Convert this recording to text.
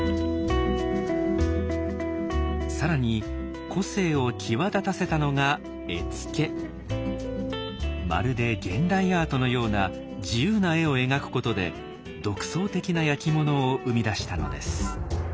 更に個性を際立たせたのがまるで現代アートのような自由な絵を描くことで独創的な焼き物を生み出したのです。